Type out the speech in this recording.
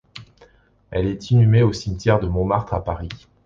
Elle est inhumée au Cimetière de Montmartre à Paris.